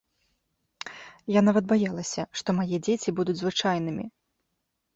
Я нават баялася, што мае дзеці будуць звычайнымі!